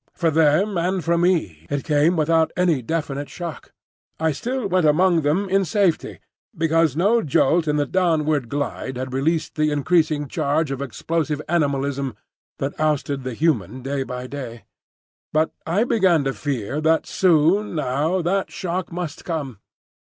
For them and for me it came without any definite shock. I still went among them in safety, because no jolt in the downward glide had released the increasing charge of explosive animalism that ousted the human day by day. But I began to fear that soon now that shock must come.